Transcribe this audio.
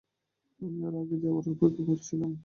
আমি ওর আগে যাওয়ার অপেক্ষা করছিলাম।